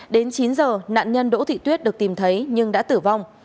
đến chín giờ nạn nhân đỗ thị tuyết được tìm thấy nhưng đã tử vong